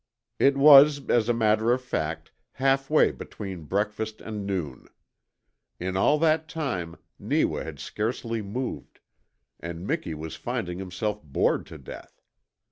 It was, as a matter of fact, halfway between breakfast and noon. In all that time Neewa had scarcely moved, and Miki was finding himself bored to death.